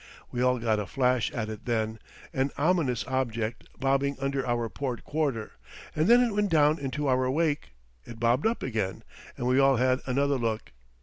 We all got a flash at it then, an ominous object, bobbing under our port quarter, and then it went down into our wake. It bobbed up again, and we all had another look.